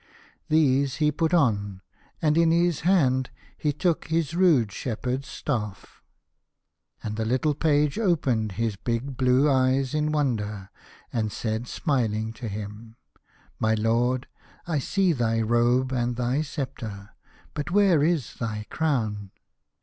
These he put on, and in his hand he took his rude shep herd's staff. And the little page opened his big blue eyes in wonder, and said smiling to him, " My 20 The Young King. lord, I see thy robe and thy sceptre, but where is thy crown